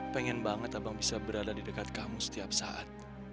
pengen banget abang bisa berada di dekat kamu setiap saat